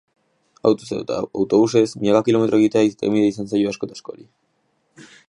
Autoz edota autobuses milaka kilometro egitea irtenbide izan zaio asko eta askori.